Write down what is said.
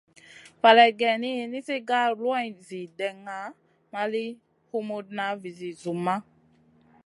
Faleyd geyni, nizi gar luanʼna zi dena ma li humutna vizi zumma.